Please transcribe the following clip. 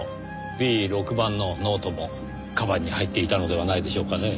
Ｂ６版のノートも鞄に入っていたのではないでしょうかねぇ。